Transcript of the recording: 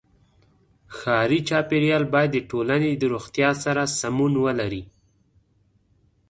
ښاري چاپېریال باید د ټولنې د روغتیا سره سمون ولري.